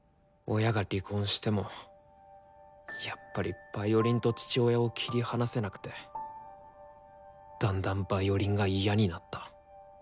親が離婚してもやっぱりヴァイオリンと父親を切り離せなくてだんだんヴァイオリンが嫌になった。